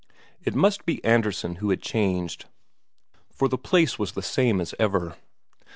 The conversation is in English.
It must be Andresen who had changed, for the place was the same as ever.